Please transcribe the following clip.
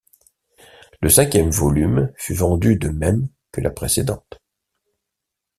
Le cinquième volume fut vendu de même que la précédente.